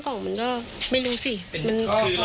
เจอกันทุกวัน